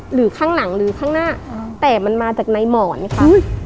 หรือข้างหลังหรือข้างหน้าแต่มันมาจากในหมอนค่ะ